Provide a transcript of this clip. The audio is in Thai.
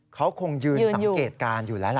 เขาคงยืนสังเกตการณ์อยู่แล้วล่ะ